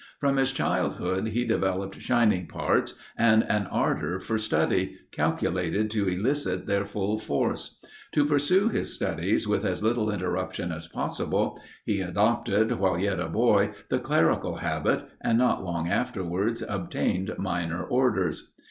From his childhood he developed shining parts and an ardor for study, calculated to elicit their full force. To pursue his studies with as little interruption as possible, he adopted, while yet a boy, the clerical habit, and not long afterwards obtained minor orders.